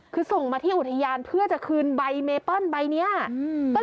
คือส่งมาที่อุทยานเพื่อจะคืนใบเมเปิ้ลใบเนี้ยอืม